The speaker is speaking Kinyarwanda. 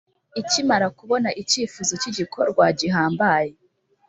Ikimara kubona icyifuzo cy igikorwa gihambaye